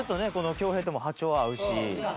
恭平とも波長合うし。